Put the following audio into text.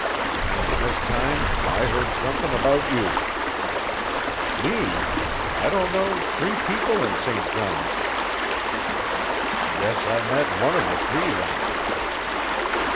"An' this time I heard somethin' about you." "Me? I don't know three people in St. John's." "Guess I met one of the three, then."